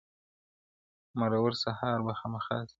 • مرور سهار به خامخا ستنېږي..